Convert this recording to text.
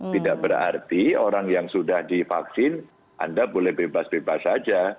tidak berarti orang yang sudah divaksin anda boleh bebas bebas saja